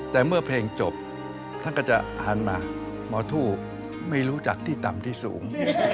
แต่เมื่อเพลงจบท่านก็จะหันมาหมอทู่ไม่รู้จักที่ต่ำที่สูง